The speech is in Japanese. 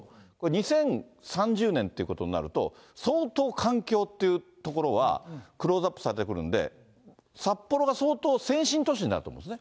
まずオリンピック見たいっていうのと、２０３０年ということになると、相当環境というところは、クローズアップされてくるので、札幌が相当先進都市になると思うんですね。